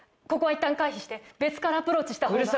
ここは一旦回避して別からアプローチした方が。